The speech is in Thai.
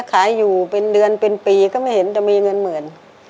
ขายอยู่เป็นเดือนเป็นปีก็ไม่เห็นจะมีเงินหมื่น